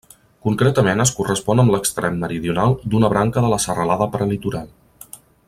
Concretament es correspon amb l'extrem meridional d'una branca de la Serralada Prelitoral.